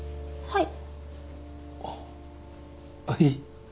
はい。